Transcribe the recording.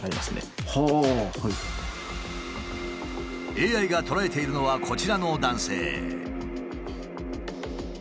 ＡＩが捉えているのはこちらの男性。